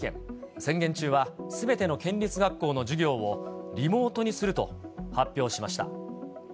宣言中はすべての県立学校の授業をリモートにすると発表しました。